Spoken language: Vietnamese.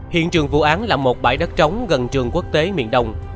hiện trường vụ án là một bãi đất trống gần trường quốc tế miền đông